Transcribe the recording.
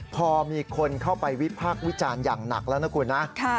พอมีคนเข้าไปวิพากษ์วิจารณ์อย่างหนักแล้วนะคุณนะ